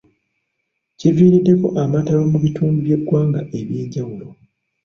Kiviiriddeko amataba mu bitundu by'eggwanga eby'enjawulo.